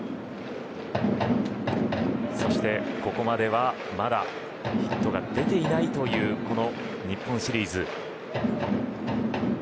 そして、ここまではまだヒットが出ていないというこの日本シリーズ。